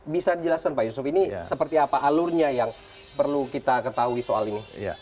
bisa dijelaskan pak yusuf ini seperti apa alurnya yang perlu kita ketahui soal ini